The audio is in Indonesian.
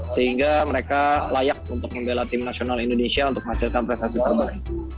sehingga mereka layak untuk membela tim nasional indonesia untuk menghasilkan prestasi terbaik